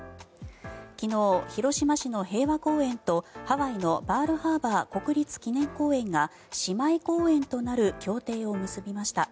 昨日、広島市の平和公園とハワイのパールハーバー国立記念公園が姉妹公園となる協定を結びました。